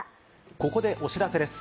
ここでお知らせです。